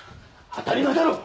当たり前だろう！